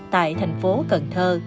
tại thành phố cần thơ